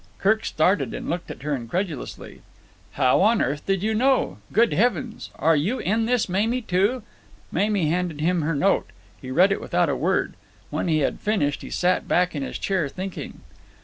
Kirk started, and looked at her incredulously. "How on earth did you know? Good Heavens! Are you in this, Mamie, too?" Mamie handed him her note. He read it without a word. When he had finished he sat back in his chair, thinking.